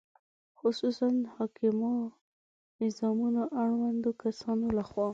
خصوصاً حاکمو نظامونو اړوندو کسانو له خوا